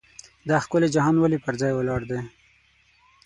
دا ښکلی جهان ولې پر ځای ولاړ دی.